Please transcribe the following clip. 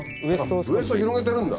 あっウエスト広げてるんだ。